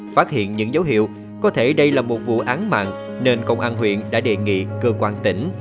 phát hiện những dấu hiệu có thể đây là một vụ án mạng nên công an huyện đã đề nghị cơ quan tỉnh